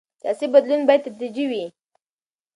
سیاسي بدلون باید تدریجي وي